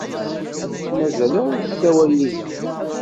Ur tt-mazal ara tessawal yid-i.